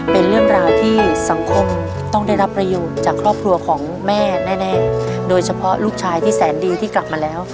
เป็นเรื่องราวที่สังคมต้องได้รับประโยชน์จากครอบครัวของแม่แน่โดยเฉพาะลูกชายที่แสนดีที่กลับมาแล้ว